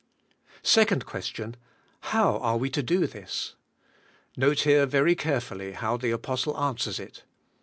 Second question: How are we to do this? Note here very carefully how the apostle answers it.